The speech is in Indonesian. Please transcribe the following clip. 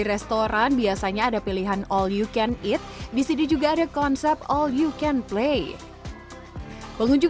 restoran biasanya ada pilihan all you can eat disini juga ada konsep all you can play pengunjuk